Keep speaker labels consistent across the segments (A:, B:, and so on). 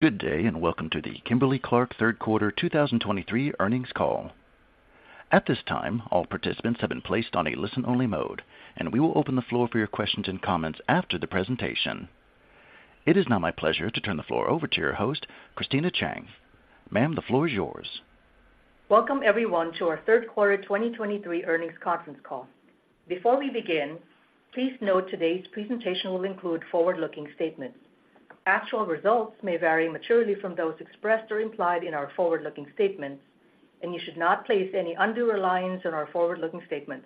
A: Good day, and welcome to the Kimberly-Clark Third Quarter 2023 Earnings Call. At this time, all participants have been placed on a listen-only mode, and we will open the floor for your questions and comments after the presentation. It is now my pleasure to turn the floor over to your host, Christina Cheng. Ma'am, the floor is yours.
B: Welcome, everyone, to our third quarter 2023 earnings conference call. Before we begin, please note today's presentation will include forward-looking statements. Actual results may vary materially from those expressed or implied in our forward-looking statements, and you should not place any undue reliance on our forward-looking statements.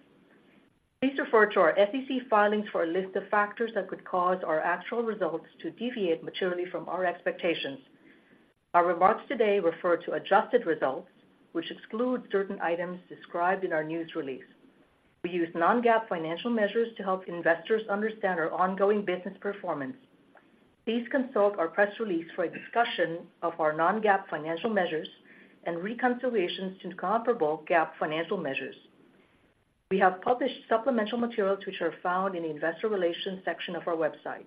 B: Please refer to our SEC filings for a list of factors that could cause our actual results to deviate materially from our expectations. Our remarks today refer to adjusted results, which exclude certain items described in our news release. We use non-GAAP financial measures to help investors understand our ongoing business performance. Please consult our press release for a discussion of our non-GAAP financial measures and reconciliations to comparable GAAP financial measures. We have published supplemental materials, which are found in the Investor Relations section of our website.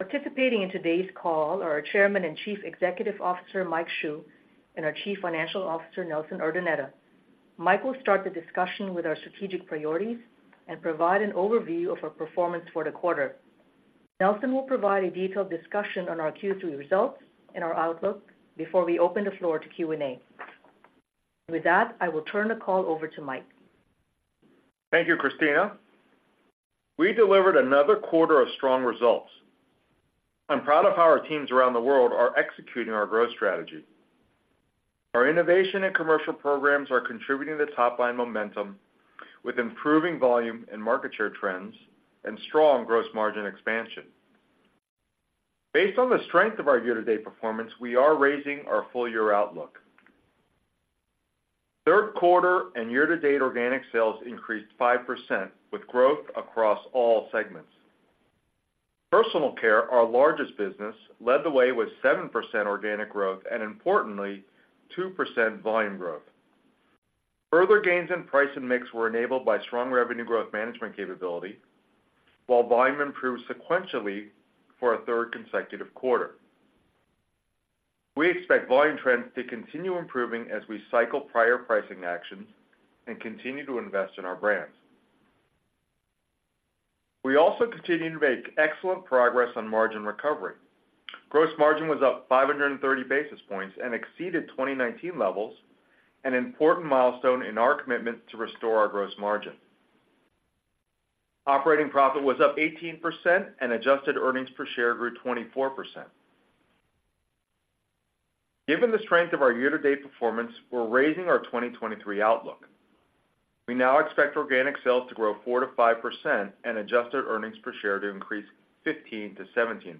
B: Participating in today's call are our Chairman and Chief Executive Officer, Mike Hsu, and our Chief Financial Officer, Nelson Urdaneta. Mike will start the discussion with our strategic priorities and provide an overview of our performance for the quarter. Nelson will provide a detailed discussion on our Q3 results and our outlook before we open the floor to Q&A. With that, I will turn the call over to Mike.
C: Thank you, Cristina. We delivered another quarter of strong results. I'm proud of how our teams around the world are executing our growth strategy. Our innovation and commercial programs are contributing to top-line momentum, with improving volume and market share trends and strong gross margin expansion. Based on the strength of our year-to-date performance, we are raising our full-year outlook. Third quarter and year-to-date organic sales increased 5%, with growth across all segments. Personal care, our largest business, led the way with 7% organic growth and importantly, 2% volume growth. Further gains in price and mix were enabled by strong revenue growth management capability, while volume improved sequentially for a third consecutive quarter. We expect volume trends to continue improving as we cycle prior pricing actions and continue to invest in our brands. We also continue to make excellent progress on margin recovery. Gross margin was up 530 basis points and exceeded 2019 levels, an important milestone in our commitment to restore our gross margin. Operating profit was up 18%, and adjusted earnings per share grew 24%. Given the strength of our year-to-date performance, we're raising our 2023 outlook. We now expect organic sales to grow 4%-5% and adjusted earnings per share to increase 15%-17%.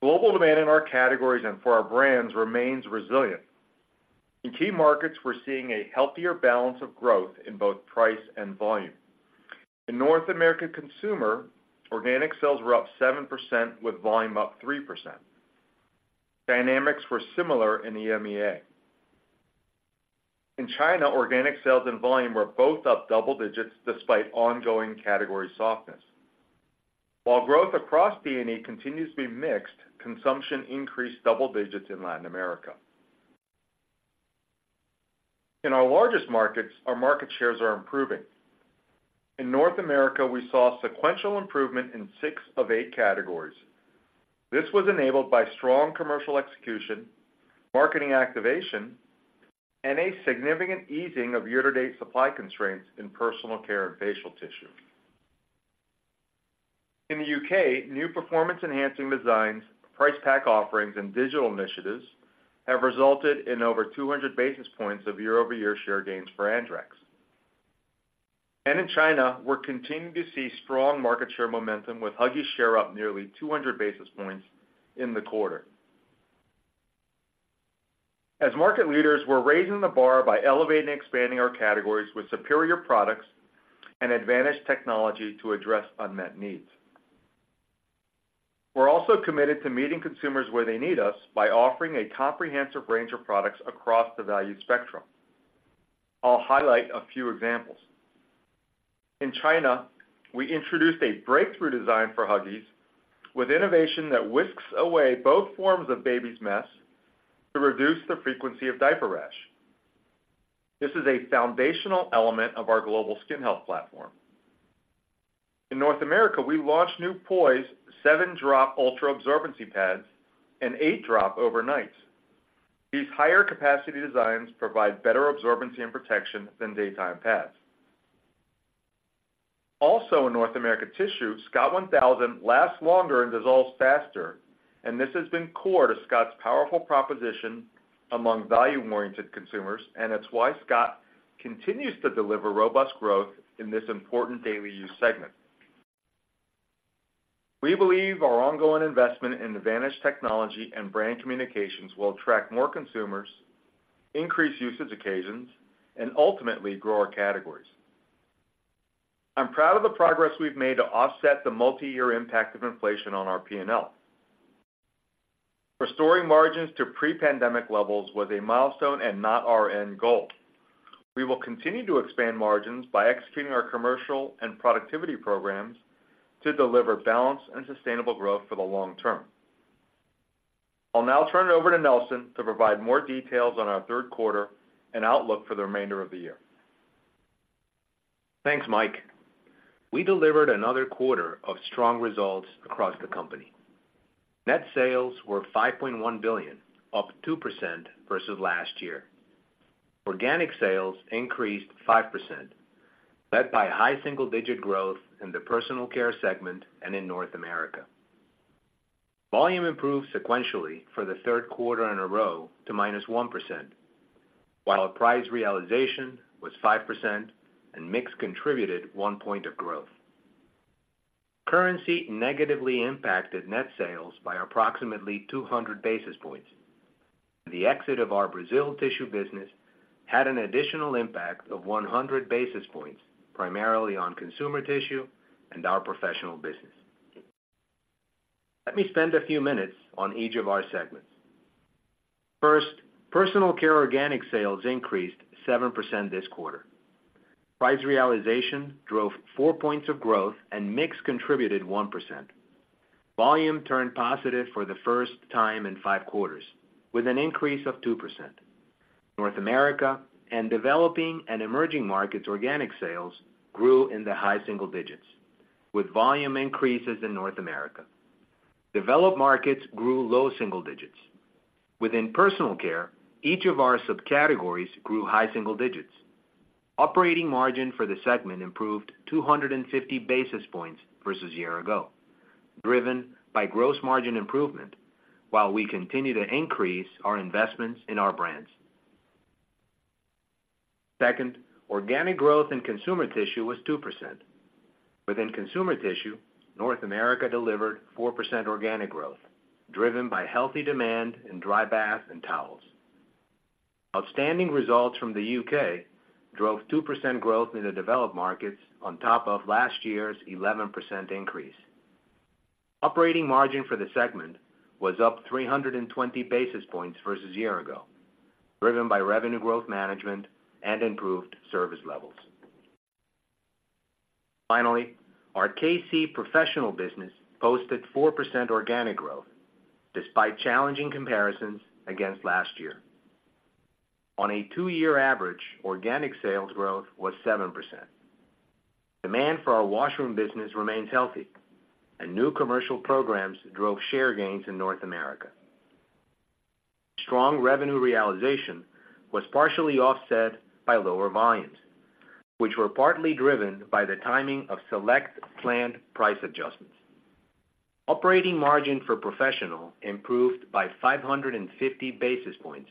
C: Global demand in our categories and for our brands remains resilient. In key markets, we're seeing a healthier balance of growth in both price and volume. In North America Consumer, organic sales were up 7%, with volume up 3%. Dynamics were similar in EMEA. In China, organic sales and volume were both up double digits despite ongoing category softness. While growth across D&E continues to be mixed, consumption increased double digits in Latin America. In our largest markets, our market shares are improving. In North America, we saw sequential improvement in six of eight categories. This was enabled by strong commercial execution, marketing activation, and a significant easing of year-to-date supply constraints in personal care and facial tissue. In the U.K., new performance-enhancing designs, price pack offerings, and digital initiatives have resulted in over 200 basis points of year-over-year share gains for Andrex. And in China, we're continuing to see strong market share momentum, with Huggies share up nearly 200 basis points in the quarter. As market leaders, we're raising the bar by elevating and expanding our categories with superior products and advanced technology to address unmet needs. We're also committed to meeting consumers where they need us by offering a comprehensive range of products across the value spectrum. I'll highlight a few examples. In China, we introduced a breakthrough design for Huggies, with innovation that whisks away both forms of babies' mess to reduce the frequency of diaper rash. This is a foundational element of our global skin health platform. In North America, we launched new Poise 7-drop ultra-absorbency pads and 8-drop overnights. These higher capacity designs provide better absorbency and protection than daytime pads. Also in North America Tissue, Scott 1,000 lasts longer and dissolves faster, and this has been core to Scott's powerful proposition among value-oriented consumers, and it's why Scott continues to deliver robust growth in this important daily use segment. We believe our ongoing investment in advanced technology and brand communications will attract more consumers, increase usage occasions, and ultimately grow our categories. I'm proud of the progress we've made to offset the multiyear impact of inflation on our P&L…. Restoring margins to pre-pandemic levels was a milestone and not our end goal. We will continue to expand margins by executing our commercial and productivity programs to deliver balanced and sustainable growth for the long term. I'll now turn it over to Nelson to provide more details on our third quarter and outlook for the remainder of the year.
D: Thanks, Mike. We delivered another quarter of strong results across the company. Net sales were $5.1 billion, up 2% versus last year. Organic sales increased 5%, led by high single-digit growth in the personal care segment and in North America. Volume improved sequentially for the third quarter in a row to -1%, while price realization was 5% and mix contributed 1 point of growth. Currency negatively impacted net sales by approximately 200 basis points. The exit of our Brazil tissue business had an additional impact of 100 basis points, primarily on consumer tissue and our professional business. Let me spend a few minutes on each of our segments. First, personal care organic sales increased 7% this quarter. Price realization drove 4 points of growth and mix contributed 1%. Volume turned positive for the first time in five quarters, with an increase of 2%. North America and developing and emerging markets organic sales grew in the high single digits, with volume increases in North America. Developed markets grew low single digits. Within personal care, each of our subcategories grew high single digits. Operating margin for the segment improved 250 basis points versus a year ago, driven by gross margin improvement, while we continue to increase our investments in our brands. Second, organic growth in consumer tissue was 2%. Within consumer tissue, North America delivered 4% organic growth, driven by healthy demand in dry bath and towels. Outstanding results from the UK drove 2% growth in the developed markets on top of last year's 11% increase. Operating margin for the segment was up 320 basis points versus a year ago, driven by revenue growth management and improved service levels. Finally, our K-C Professional business posted 4% organic growth, despite challenging comparisons against last year. On a two-year average, organic sales growth was 7%. Demand for our washroom business remains healthy, and new commercial programs drove share gains in North America. Strong revenue realization was partially offset by lower volumes, which were partly driven by the timing of select planned price adjustments. Operating margin for professional improved by 550 basis points,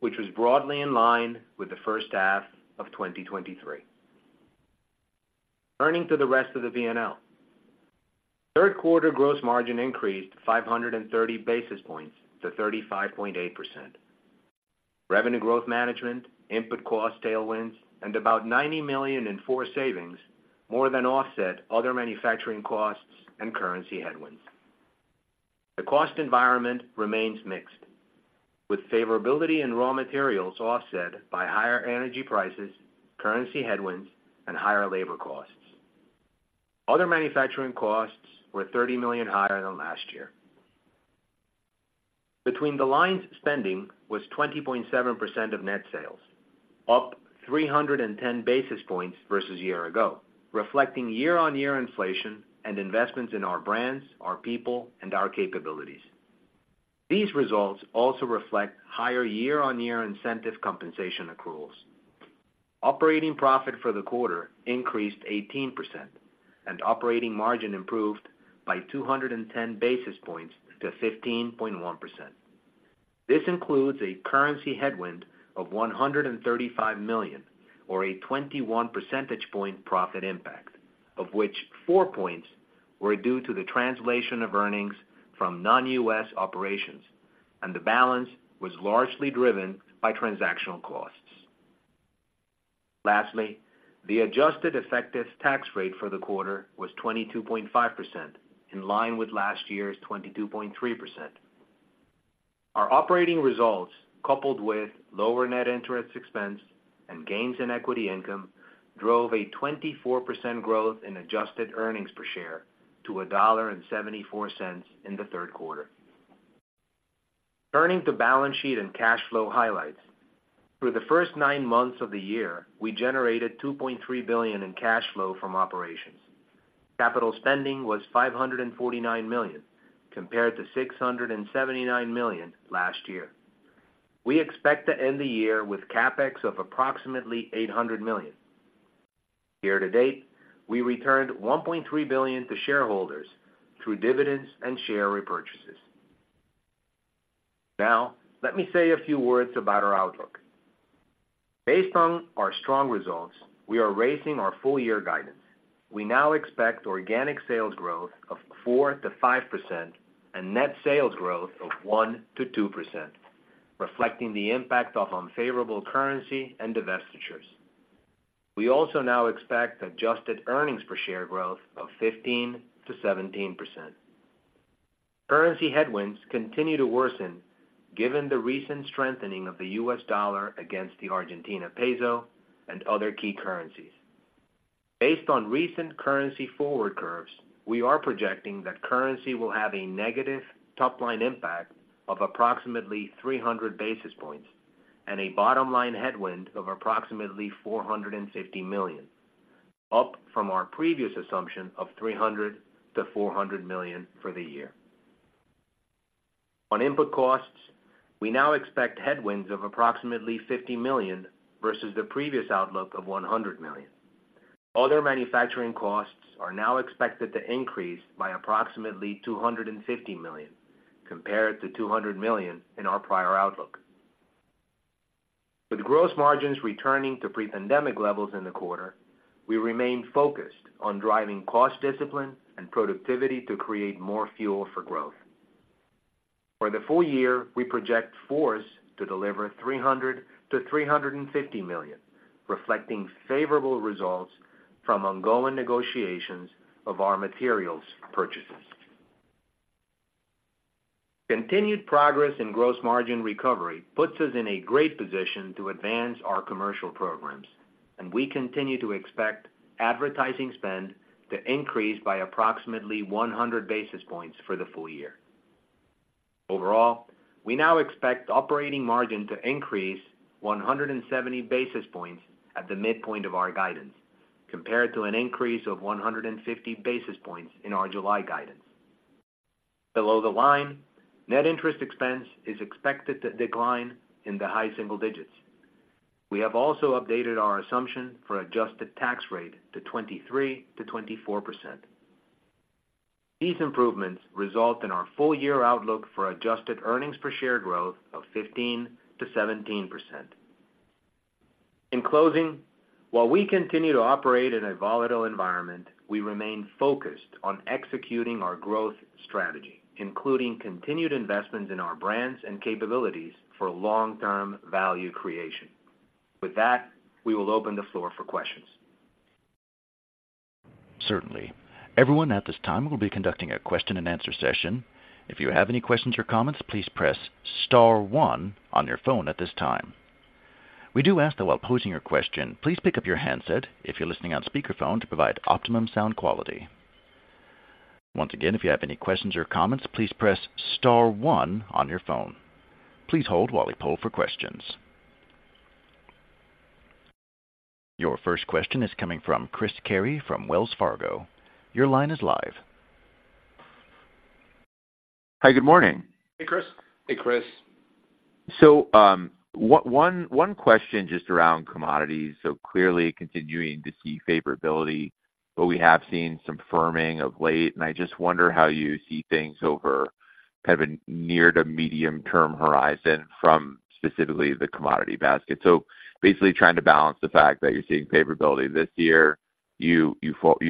D: which was broadly in line with the first half of 2023. Turning to the rest of the P&L. Third quarter gross margin increased 530 basis points to 35.8%. Revenue growth management, input cost tailwinds, and about $90 million in FORCE savings, more than offset other manufacturing costs and currency headwinds. The cost environment remains mixed, with favorability in raw materials offset by higher energy prices, currency headwinds, and higher labor costs. Other manufacturing costs were $30 million higher than last year. BTL spending was 20.7% of net sales, up 310 basis points versus a year ago, reflecting year-on-year inflation and investments in our brands, our people, and our capabilities. These results also reflect higher year-on-year incentive compensation accruals. Operating profit for the quarter increased 18%, and operating margin improved by 210 basis points to 15.1%. This includes a currency headwind of $135 million, or a 21 percentage point profit impact, of which four points were due to the translation of earnings from non-U.S. operations, and the balance was largely driven by transactional costs. Lastly, the adjusted effective tax rate for the quarter was 22.5%, in line with last year's 22.3%. Our operating results, coupled with lower net interest expense and gains in equity income, drove a 24% growth in adjusted earnings per share to $1.74 in the third quarter. Turning to balance sheet and cash flow highlights. Through the first nine months of the year, we generated $2.3 billion in cash flow from operations. Capital spending was $549 million, compared to $679 million last year. We expect to end the year with CapEx of approximately $800 million. Yea-to-date, we returned $1.3 billion to shareholders through dividends and share repurchases. Now, let me say a few words about our outlook. Based on our strong results, we are raising our full year guidance. We now expect organic sales growth of 4%-5% and net sales growth of 1%-2%, reflecting the impact of unfavorable currency and divestitures. We also now expect adjusted earnings per share growth of 15%-17%. Currency headwinds continue to worsen given the recent strengthening of the U.S. dollar against the Argentine peso and other key currencies. Based on recent currency forward curves, we are projecting that currency will have a negative top line impact of approximately 300 basis points and a bottom line headwind of approximately $450 million, up from our previous assumption of $300-$400 million for the year. On input costs, we now expect headwinds of approximately $50 million versus the previous outlook of $100 million. Other manufacturing costs are now expected to increase by approximately $250 million, compared to $200 million in our prior outlook. With gross margins returning to pre-pandemic levels in the quarter, we remain focused on driving cost discipline and productivity to create more fuel for growth. For the full year, we project FORCE to deliver $300 million to $350 million, reflecting favorable results from ongoing negotiations of our materials purchases. Continued progress in gross margin recovery puts us in a great position to advance our commercial programs, and we continue to expect advertising spend to increase by approximately 100 basis points for the full year. Overall, we now expect operating margin to increase 170 basis points at the midpoint of our guidance, compared to an increase of 150 basis points in our July guidance. Below the line, net interest expense is expected to decline in the high single digits. We have also updated our assumption for adjusted tax rate to 23%-24%. These improvements result in our full year outlook for adjusted earnings per share growth of 15%-17%. In closing, while we continue to operate in a volatile environment, we remain focused on executing our growth strategy, including continued investments in our brands and capabilities for long-term value creation. With that, we will open the floor for questions.
A: Certainly. Everyone at this time, we'll be conducting a question and answer session. If you have any questions or comments, please press star one on your phone at this time. We do ask, though, while posing your question, please pick up your handset if you're listening on speakerphone, to provide optimum sound quality. Once again, if you have any questions or comments, please press star one on your phone. Please hold while we poll for questions. Your first question is coming from Chris Carey from Wells Fargo. Your line is live.
E: Hi, good morning.
C: Hey, Chris.
D: Hey, Chris.
E: One question just around commodities. Clearly continuing to see favorability, but we have seen some firming of late, and I just wonder how you see things over kind of a near- to medium-term horizon from specifically the commodity basket. Basically, trying to balance the fact that you're seeing favorability this year, you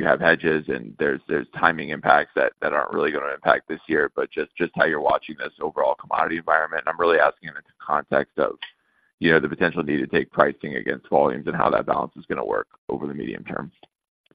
E: have hedges and there's timing impacts that aren't really going to impact this year, but just how you're watching this overall commodity environment. I'm really asking in the context of, you know, the potential need to take pricing against volumes and how that balance is going to work over the medium term.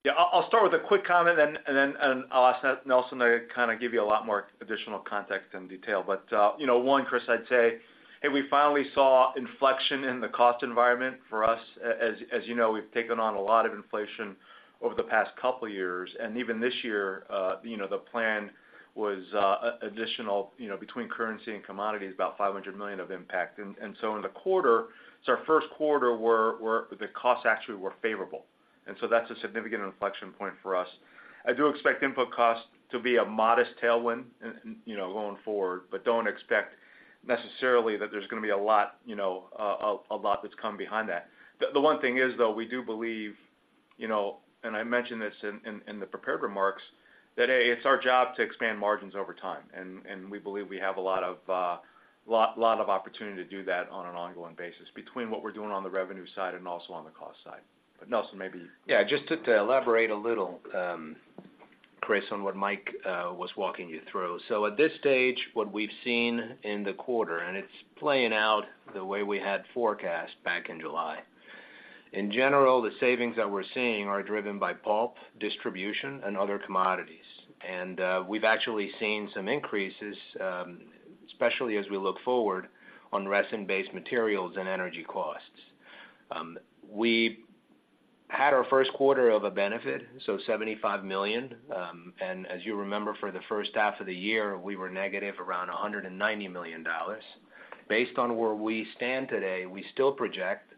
C: Yeah, I'll, I'll start with a quick comment and then, and I'll ask Nelson to kind of give you a lot more additional context and detail. But, you know, one, Chris, I'd say, hey, we finally saw inflection in the cost environment for us. As, as you know, we've taken on a lot of inflation over the past couple of years, and even this year, you know, the plan was, additional, you know, between currency and commodities, about $500 million of impact. And, and so in the quarter, it's our first quarter where, where the costs actually were favorable. And so that's a significant inflection point for us. I do expect input costs to be a modest tailwind, you know, going forward, but don't expect necessarily that there's going to be a lot, you know, a lot that's come behind that. The one thing is, though, we do believe, you know, and I mentioned this in the prepared remarks, that, hey, it's our job to expand margins over time, and we believe we have a lot of opportunity to do that on an ongoing basis between what we're doing on the revenue side and also on the cost side. But, Nelson, maybe-
D: Yeah, just to elaborate a little, Chris, on what Mike was walking you through. So at this stage, what we've seen in the quarter, and it's playing out the way we had forecast back in July. In general, the savings that we're seeing are driven by pulp, distribution, and other commodities. And, we've actually seen some increases, especially as we look forward on resin-based materials and energy costs. We had our first quarter of a benefit, so $75 million. And as you remember, for the first half of the year, we were negative around $190 million. Based on where we stand today, we still project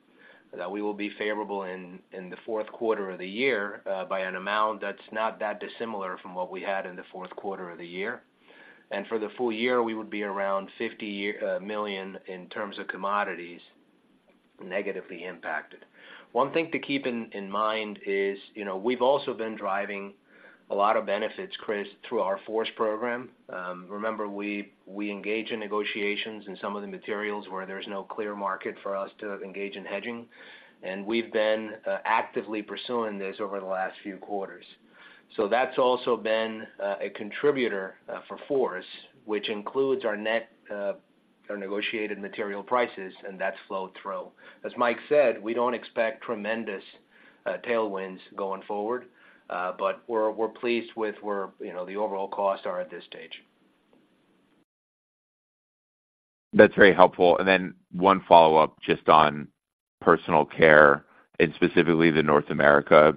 D: that we will be favorable in the fourth quarter of the year by an amount that's not that dissimilar from what we had in the fourth quarter of the year. For the full year, we would be around $50 million in terms of commodities, negatively impacted. One thing to keep in mind is, you know, we've also been driving a lot of benefits, Chris, through our FORCE program. Remember, we engage in negotiations in some of the materials where there's no clear market for us to engage in hedging, and we've been actively pursuing this over the last few quarters. So that's also been a contributor for FORCE, which includes our net negotiated material prices, and that's flowed through. As Mike said, we don't expect tremendous tailwinds going forward, but we're pleased with where, you know, the overall costs are at this stage.
E: That's very helpful. And then one follow-up just on personal care and specifically the North America,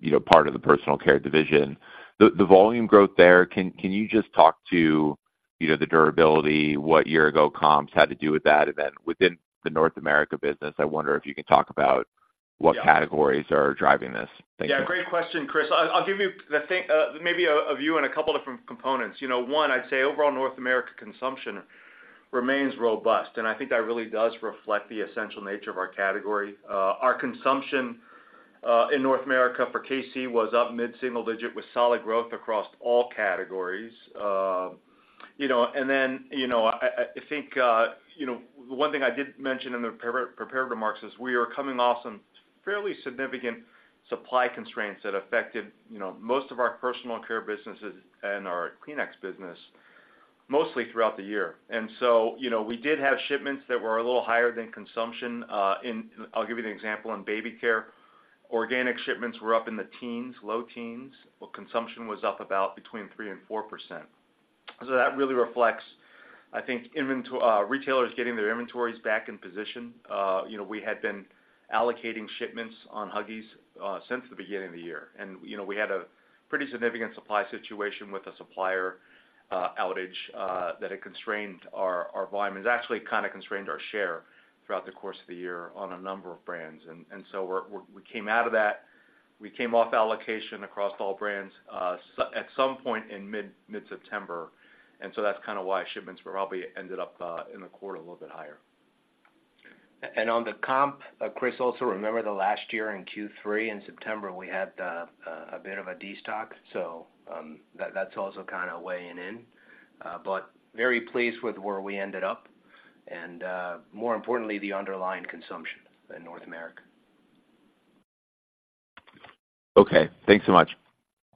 E: you know, part of the personal care division. The volume growth there, can you just talk to, you know, the durability, what year-ago comps had to do with that? And then within the North America business, I wonder if you can talk about what categories are driving this. Thank you.
C: Yeah, great question, Chris. I'll give you the thing, maybe a view on a couple different components. You know, one, I'd say overall North America consumption remains robust, and I think that really does reflect the essential nature of our category. Our consumption in North America for KC was up mid-single digit with solid growth across all categories. You know, and then, you know, I think, you know, one thing I did mention in the prepared remarks is we are coming off some fairly significant supply constraints that affected, you know, most of our personal care businesses and our Kleenex business, mostly throughout the year. And so, you know, we did have shipments that were a little higher than consumption in. I'll give you an example. In baby care, organic shipments were up in the teens, low teens, while consumption was up about between 3% and 4%. So that really reflects, I think, retailers getting their inventories back in position. You know, we had been allocating shipments on Huggies since the beginning of the year, and, you know, we had a pretty significant supply situation with a supplier outage that had constrained our volume. It's actually kind of constrained our share throughout the course of the year on a number of brands. And so we came out of that. We came off allocation across all brands at some point in mid-September, and so that's kind of why shipments were probably ended up in the quarter a little bit higher.
D: And on the comp, Chris, also remember the last year in Q3, in September, we had a bit of a destock, so, that's also kind of weighing in. But very pleased with where we ended up, and, more importantly, the underlying consumption in North America.
E: Okay, thanks so much.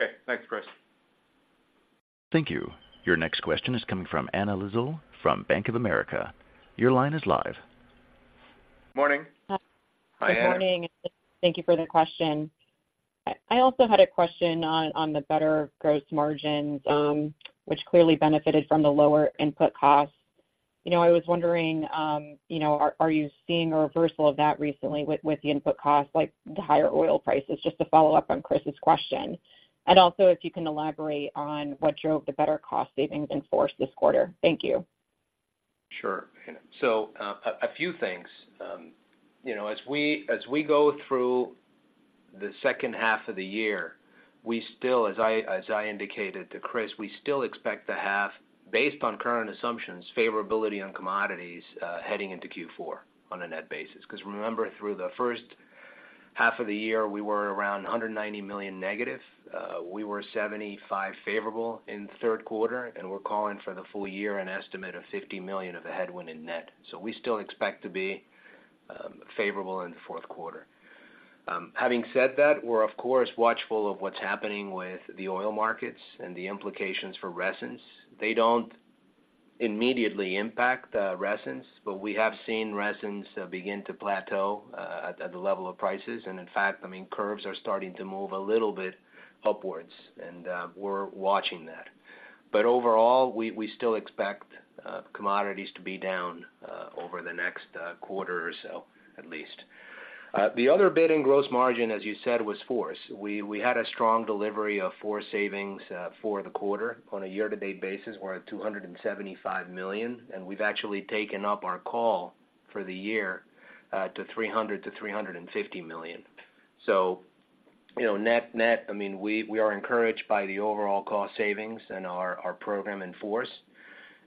C: Okay. Thanks, Chris.
A: Thank you. Your next question is coming from Anna Lizzul from Bank of America. Your line is live.
C: Morning.
D: Hi, Anna.
F: Good morning. Thank you for the question. I also had a question on the better gross margins, which clearly benefited from the lower input costs. You know, I was wondering, you know, are you seeing a reversal of that recently with the input costs, like the higher oil prices? Just to follow up on Chris's question. And also, if you can elaborate on what drove the better cost savings in FORCE this quarter. Thank you.
D: Sure. So, a few things. You know, as we go through the second half of the year, we still, as I indicated to Chris, we still expect to have, based on current assumptions, favorability on commodities, heading into Q4 on a net basis. Because remember, through the first half of the year, we were around $190 million negative. We were 75 favorable in the third quarter, and we're calling for the full year an estimate of $50 million of a headwind in net. So we still expect to be favorable in the fourth quarter. Having said that, we're of course watchful of what's happening with the oil markets and the implications for resins. They don't immediately impact the resins, but we have seen resins begin to plateau at the level of prices. In fact, I mean, curves are starting to move a little bit upwards, and we're watching that. But overall, we still expect commodities to be down over the next quarter or so, at least. The other bit in Gross Margin, as you said, was FORCE. We had a strong delivery of FORCE savings for the quarter. On a year-to-date basis, we're at $275 million, and we've actually taken up our call for the year to $300 million-$350 million. So, you know, net-net, I mean, we are encouraged by the overall cost savings and our program in FORCE.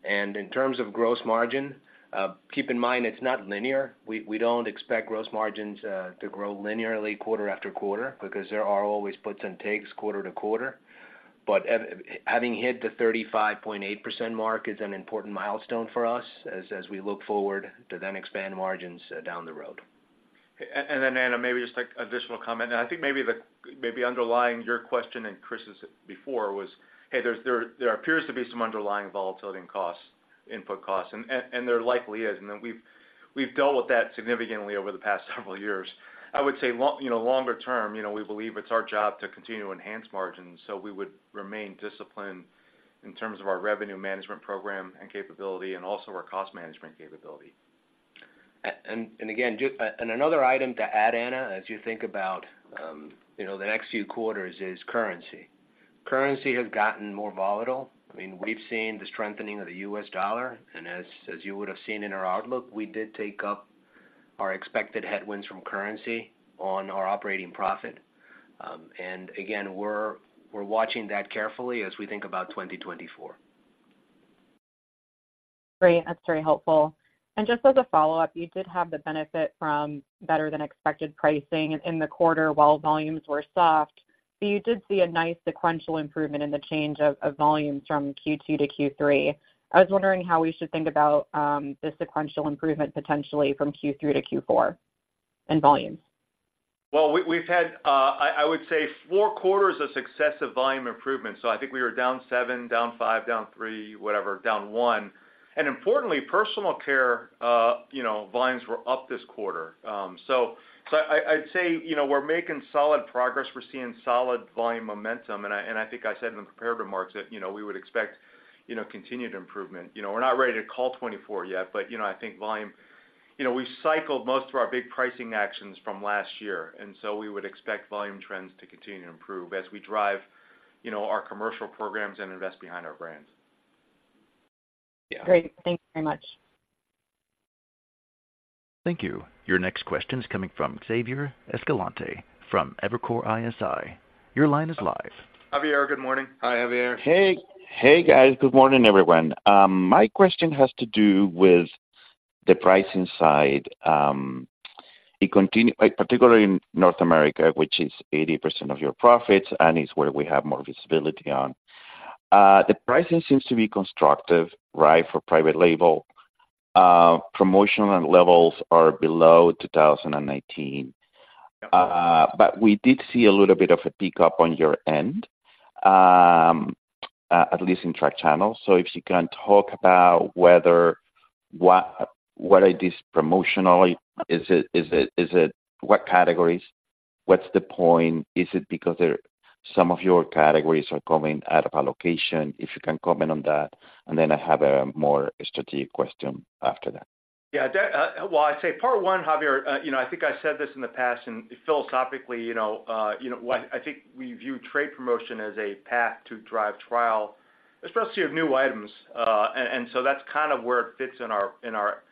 D: And in terms of Gross Margin, keep in mind, it's not linear. We don't expect gross margins to grow linearly quarter after quarter because there are always puts and takes quarter to quarter. But having hit the 35.8% mark is an important milestone for us as we look forward to then expand margins down the road.
C: And then, Anna, maybe just, like, additional comment. And I think maybe the underlying your question and Chris's before was, hey, there appears to be some underlying volatility in costs, input costs, and there likely is. And then we've dealt with that significantly over the past several years. I would say long, you know, longer term, you know, we believe it's our job to continue to enhance margins, so we would remain disciplined in terms of our revenue management program and capability and also our cost management capability.
D: And again, just another item to add, Anna, as you think about, you know, the next few quarters is currency. Currency has gotten more volatile. I mean, we've seen the strengthening of the U.S. dollar, and as you would have seen in our outlook, we did take up our expected headwinds from currency on our operating profit. And again, we're watching that carefully as we think about 2024.
F: Great. That's very helpful. Just as a follow-up, you did have the benefit from better than expected pricing in the quarter while volumes were soft, but you did see a nice sequential improvement in the change of volumes from Q2 to Q3. I was wondering how we should think about the sequential improvement potentially from Q3 to Q4 in volumes?
C: Well, we've had, I would say, four quarters of successive volume improvement. So I think we were down seven, down five, down three, whatever, down one. And importantly, personal care, you know, volumes were up this quarter. So I, I'd say, you know, we're making solid progress. We're seeing solid volume momentum, and I think I said in the prepared remarks that, you know, we would expect, you know, continued improvement. You know, we're not ready to call 2024 yet, but, you know, I think volume-- you know, we've cycled most of our big pricing actions from last year, and so we would expect volume trends to continue to improve as we drive, you know, our commercial programs and invest behind our brands. Yeah.
F: Great. Thank you very much.
A: Thank you. Your next question is coming from Javier Escalante from Evercore ISI. Your line is live.
C: Javier, good morning.
D: Hi, Javier.
G: Hey, hey, guys. Good morning, everyone. My question has to do with the pricing side, particularly in North America, which is 80% of your profits and is where we have more visibility on. The pricing seems to be constructive, right, for private label. Promotional levels are below 2019.
C: Yep.
G: But we did see a little bit of a pickup on your end, at least in track channels. So if you can talk about what it is promotionally, is it what categories? What's the point? Is it because they're—some of your categories are coming out of allocation? If you can comment on that, and then I have a more strategic question after that.
C: Yeah, that... Well, I'd say part one, Javier, you know, I think I said this in the past, and philosophically, you know, you know, I think we view trade promotion as a path to drive trial, especially of new items. And so that's kind of where it fits in our, in our,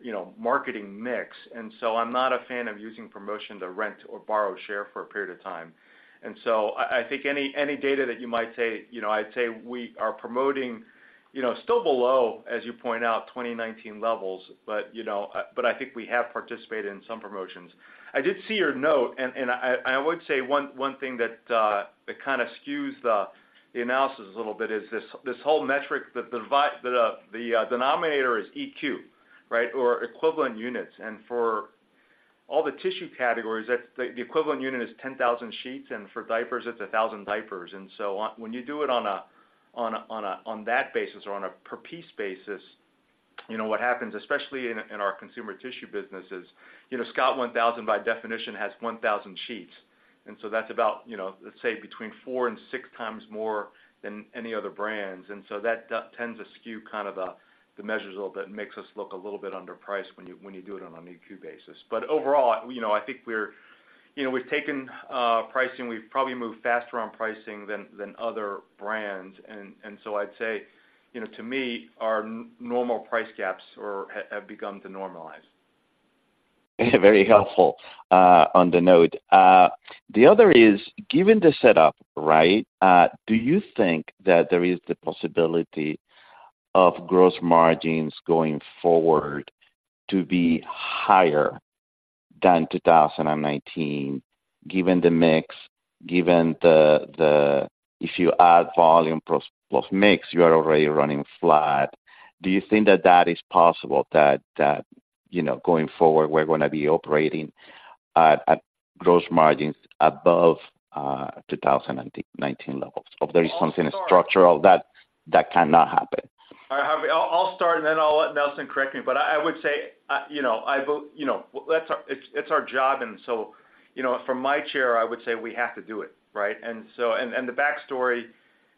C: you know, marketing mix. And so I'm not a fan of using promotion to rent or borrow share for a period of time. And so I think any data that you might say, you know, I'd say we are promoting, you know, still below, as you point out, 2019 levels, but, you know, but I think we have participated in some promotions. I did see your note, and I would say one thing that kind of skews the analysis a little bit is this whole metric. The denominator is EQ, right? Or equivalent units. And for all the tissue categories, the equivalent unit is 10,000 sheets, and for diapers, it's 1,000 diapers. And so on. When you do it on that basis or on a per piece basis, you know, what happens, especially in our consumer tissue business, is, you know, Scott Thousand, by definition, has 1,000 sheets. And so that's about, you know, let's say, between 4 and 6 times more than any other brands. So that tends to skew kind of the measures a little bit and makes us look a little bit underpriced when you do it on an EQ basis. But overall, you know, I think we're, you know, we've taken pricing. We've probably moved faster on pricing than other brands, and so I'd say, you know, to me, our normal price gaps have begun to normalize.
G: Very helpful, on the note. The other is, given the setup, right, do you think that there is the possibility of gross margins going forward to be higher than 2019, given the mix, given the... If you add volume plus mix, you are already running flat. Do you think that that is possible, that, you know, going forward, we're gonna be operating at gross margins above 2019 levels? Or there is something structural that cannot happen.
C: All right, Javier, I'll start, and then I'll let Nelson correct me. But I would say, you know, that's our job, and so, you know, from my chair, I would say we have to do it, right? And the backstory,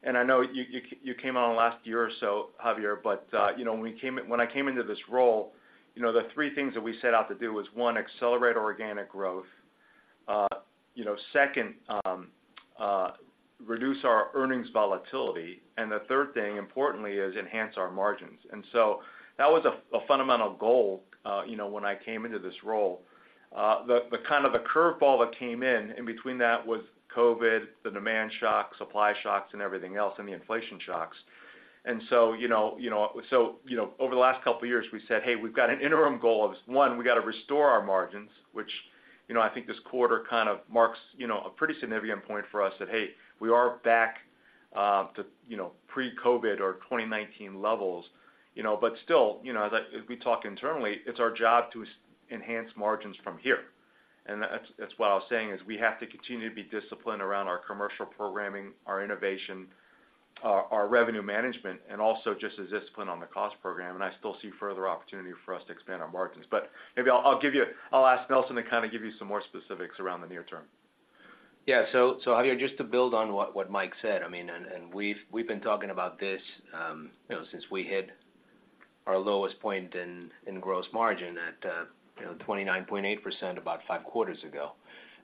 C: and I know you came on last year or so, Javier, but you know, when I came into this role, you know, the three things that we set out to do was, one, accelerate organic growth, you know, second, reduce our earnings volatility, and the third thing, importantly, is enhance our margins. And so that was a fundamental goal, you know, when I came into this role. The kind of curveball that came in between that was COVID, the demand shocks, supply shocks, and everything else, and the inflation shocks. And so, you know, you know, so, you know, over the last couple of years, we said, "Hey, we've got an interim goal of, one, we got to restore our margins," which, you know, I think this quarter kind of marks, you know, a pretty significant point for us that, hey, we are back to, you know, pre-COVID or 2019 levels. You know, but still, you know, that as we talk internally, it's our job to enhance margins from here. And that's, that's what I was saying, is we have to continue to be disciplined around our commercial programming, our innovation, our revenue management, and also just as disciplined on the cost program. I still see further opportunity for us to expand our margins. Maybe I'll ask Nelson to kind of give you some more specifics around the near term.
D: Yeah. So, Javier, just to build on what Mike said, I mean, and we've been talking about this, you know, since we hit our lowest point in gross margin at, you know, 29.8% about five quarters ago.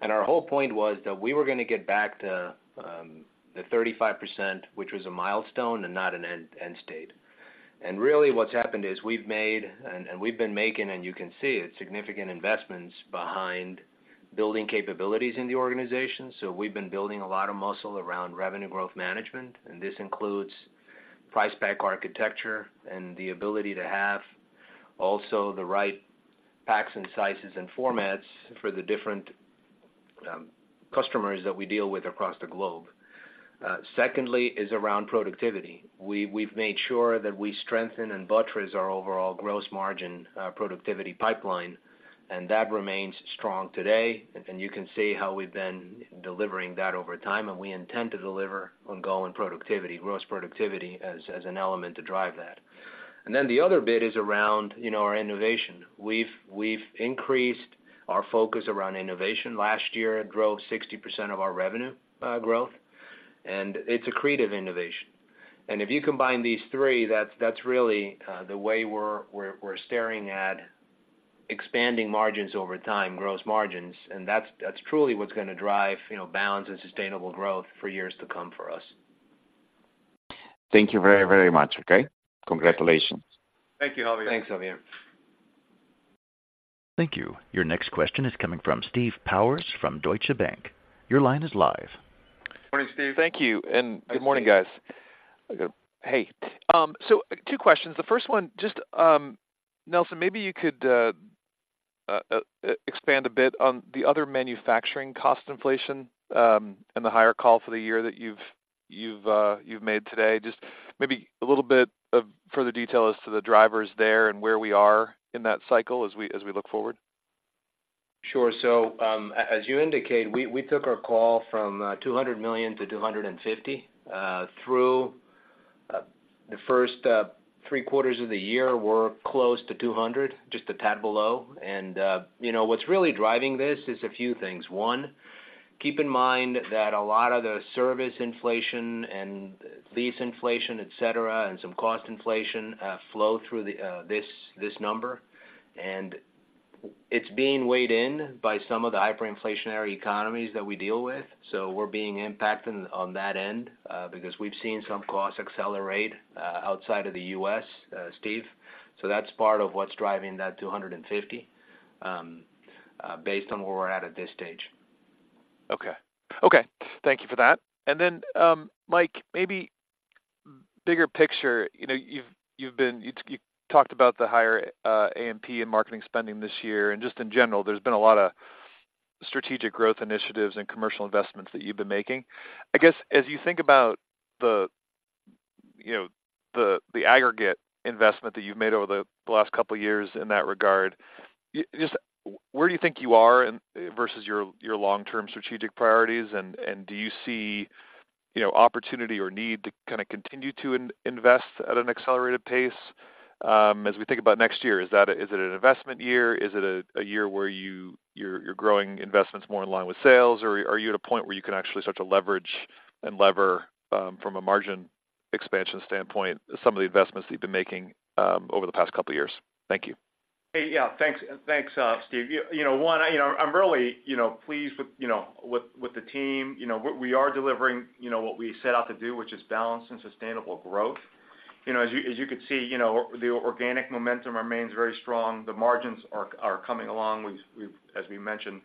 D: And our whole point was that we were gonna get back to the 35%, which was a milestone and not an end state. And really, what's happened is we've made, and we've been making, and you can see it, significant investments behind building capabilities in the organization. So we've been building a lot of muscle around revenue growth management, and this includes price pack architecture and the ability to have also the right packs and sizes and formats for the different customers that we deal with across the globe. Secondly is around productivity. We've made sure that we strengthen and buttress our overall gross margin, productivity pipeline, and that remains strong today. And you can see how we've been delivering that over time, and we intend to deliver ongoing productivity, gross productivity, as an element to drive that. And then the other bit is around, you know, our innovation. We've increased our focus around innovation. Last year, it drove 60% of our revenue growth, and it's accretive innovation. And if you combine these three, that's really the way we're staring at expanding margins over time, gross margins, and that's truly what's gonna drive, you know, balanced and sustainable growth for years to come for us.
G: Thank you very, very much, okay? Congratulations.
C: Thank you, Javier.
D: Thanks, Javier.
A: Thank you. Your next question is coming from Steve Powers from Deutsche Bank. Your line is live.
C: Morning, Steve.
H: Thank you, and good morning, guys. Hey, so two questions. The first one, just, Nelson, maybe you could expand a bit on the other manufacturing cost inflation, and the higher call for the year that you've made today. Just maybe a little bit of further detail as to the drivers there and where we are in that cycle as we look forward.
D: Sure. So, as you indicate, we took our call from $200 million to $250 million. Through the first three quarters of the year, we're close to $200 million, just a tad below. And, you know, what's really driving this is a few things. One, keep in mind that a lot of the service inflation and lease inflation, et cetera, and some cost inflation flow through this number, and it's being weighed in by some of the hyperinflationary economies that we deal with. So we're being impacted on that end, because we've seen some costs accelerate outside of the U.S., Steve. So that's part of what's driving that $250 million, based on where we're at at this stage.
H: Okay. Okay, thank you for that. And then, Mike, maybe bigger picture, you know, you've talked about the higher A&P and marketing spending this year, and just in general, there's been a lot of strategic growth initiatives and commercial investments that you've been making. I guess, as you think about the you know, the aggregate investment that you've made over the last couple of years in that regard, just where do you think you are in versus your long-term strategic priorities? And do you see, you know, opportunity or need to kinda continue to invest at an accelerated pace, as we think about next year? Is that a... Is it an investment year? Is it a year where you're growing investments more in line with sales, or are you at a point where you can actually start to leverage and lever from a margin expansion standpoint, some of the investments that you've been making over the past couple of years? Thank you.
C: Hey, yeah. Thanks, Steve. You know, I'm really pleased with the team. You know, we are delivering what we set out to do, which is balanced and sustainable growth. You know, as you could see, the organic momentum remains very strong. The margins are coming along. We've, as we mentioned,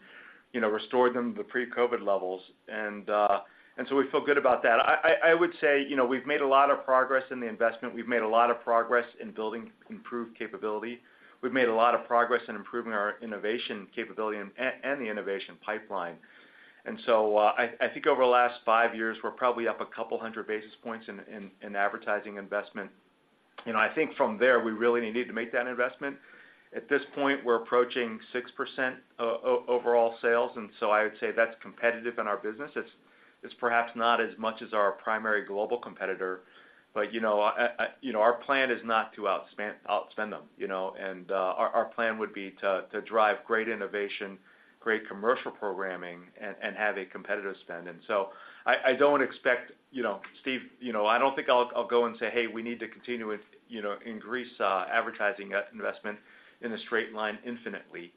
C: restored them to pre-COVID levels, and so we feel good about that. I would say, you know, we've made a lot of progress in the investment. We've made a lot of progress in building improved capability. We've made a lot of progress in improving our innovation capability and the innovation pipeline. I think over the last five years, we're probably up a couple hundred basis points in advertising investment. You know, I think from there, we really need to make that investment. At this point, we're approaching 6% of overall sales, and so I would say that's competitive in our business. It's perhaps not as much as our primary global competitor, but, you know, you know, our plan is not to outspend them, you know? And our plan would be to drive great innovation, great commercial programming and have a competitive spend. And so I don't expect... You know, Steve, you know, I don't think I'll go and say, "Hey, we need to continue with, you know, increase advertising investment in a straight line infinitely."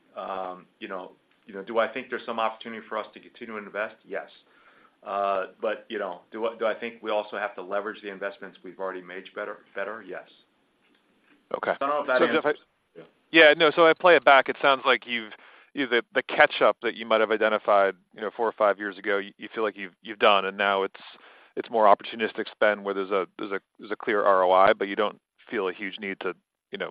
C: You know, you know, do I think there's some opportunity for us to continue to invest? Yes. But, you know, do I think we also have to leverage the investments we've already made better? Yes.
H: Okay.
C: Don't know if that answers-
H: Yeah, no. So I play it back, it sounds like you've... The catch-up that you might have identified, you know, four or five years ago, you feel like you've done, and now it's more opportunistic spend, where there's a clear ROI, but you don't feel a huge need to, you know,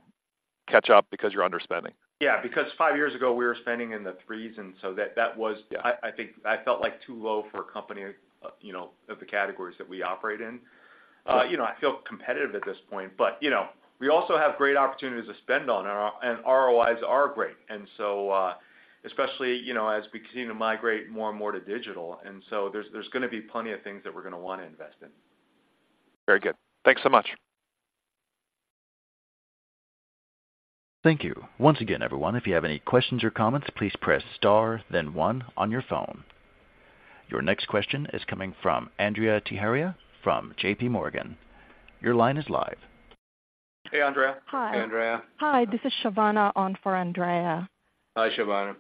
H: catch up because you're underspending.
C: Yeah, because five years ago, we were spending in the threes, and so that, that was-
H: Yeah
C: I think I felt like too low for a company, you know, of the categories that we operate in. You know, I feel competitive at this point, but, you know, we also have great opportunities to spend on, and our ROIs are great. And so, especially, you know, as we continue to migrate more and more to digital, and so there's gonna be plenty of things that we're gonna wanna invest in.
H: Very good. Thanks so much.
A: Thank you. Once again, everyone, if you have any questions or comments, please press star then one on your phone. Your next question is coming from Andrea Teixeira from J.P. Morgan. Your line is live.
C: Hey, Andrea.
I: Hi.
C: Hey, Andrea.
I: Hi, this is Shabana on for Andrea.
C: Hi, Shabana.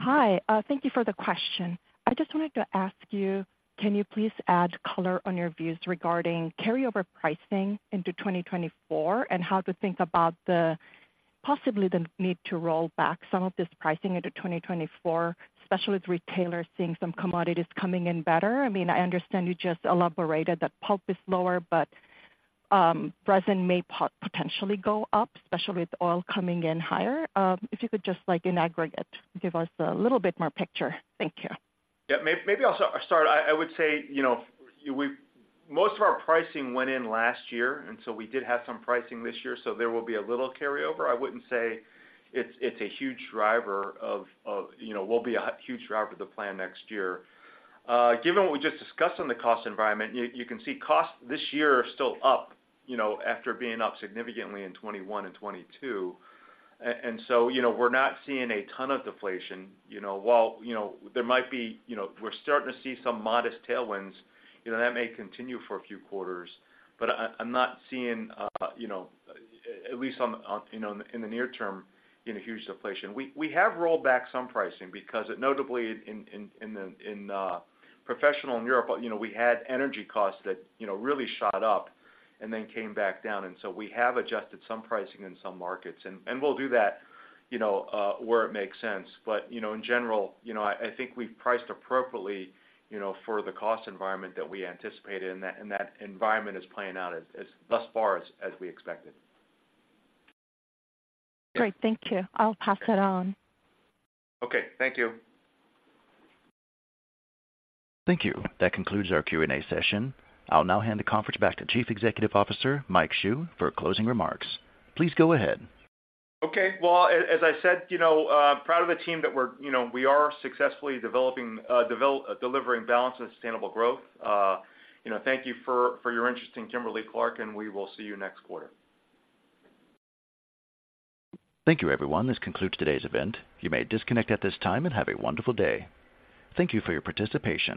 I: Hi, thank you for the question. I just wanted to ask you, can you please add color on your views regarding carryover pricing into 2024, and how to think about the, possibly the need to roll back some of this pricing into 2024, especially with retailers seeing some commodities coming in better? I mean, I understand you just elaborated that pulp is lower, but, resin may potentially go up, especially with oil coming in higher. If you could just, like, in aggregate, give us a little bit more picture. Thank you.
C: Yeah, maybe I'll start. I would say, you know, we most of our pricing went in last year, and so we did have some pricing this year, so there will be a little carryover. I wouldn't say it's a huge driver of, you know, will be a huge driver of the plan next year. Given what we just discussed on the cost environment, you can see costs this year are still up, you know, after being up significantly in 2021 and 2022. And so, you know, we're not seeing a ton of deflation. You know, while there might be, you know, we're starting to see some modest tailwinds, you know, that may continue for a few quarters, but I'm not seeing, you know, at least on, you know, in the near term, you know, huge deflation. We have rolled back some pricing because notably in Professional in Europe, you know, we had energy costs that, you know, really shot up and then came back down, and so we have adjusted some pricing in some markets, and we'll do that, you know, where it makes sense. But, you know, in general, you know, I think we've priced appropriately, you know, for the cost environment that we anticipated, and that environment is playing out as thus far as we expected.
I: Great. Thank you. I'll pass it on.
C: Okay. Thank you.
A: Thank you. That concludes our Q&A session. I'll now hand the conference back to Chief Executive Officer, Mike Hsu, for closing remarks. Please go ahead.
C: Okay. Well, as I said, you know, proud of the team that we're, you know, we are successfully delivering balanced and sustainable growth. You know, thank you for your interest in Kimberly-Clark, and we will see you next quarter.
A: Thank you, everyone. This concludes today's event. You may disconnect at this time, and have a wonderful day. Thank you for your participation.